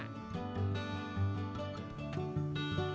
dan kulit wortel juga bisa diolah menjadi kripik